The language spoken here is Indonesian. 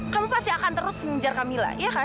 kamu pasti akan terus mengejar kamila ya kan